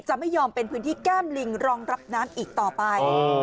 ไม่ยอมเป็นพื้นที่แก้มลิงรองรับน้ำอีกต่อไป